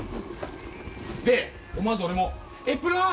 で思わず俺もエプロン！